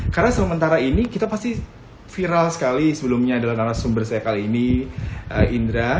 karena sementara ini kita pasti viral sekali sebelumnya adalah narasumber saya kali ini indra